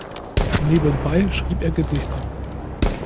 Nebenbei schrieb er Gedichte.